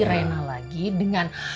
rena lagi dengan